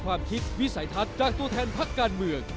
วิสัยทัศน์จากตัวแทนภักดิ์การเมือง